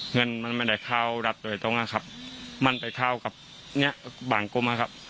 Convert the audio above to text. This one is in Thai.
เงินมันไม่ได้เข้ารับโดยตรงครับมันไปเข้ากับบางกลุ่มครับ